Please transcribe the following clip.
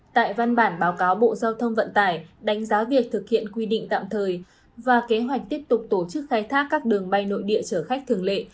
tại văn bản báo cáo bộ giao thông vận tải đánh giá việc thực hiện quy định tạm thời và kế hoạch tiếp tục tổ chức khai thác các đường bay nội địa chở khách thường lệ